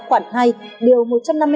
khoảng hai điều một trăm năm mươi năm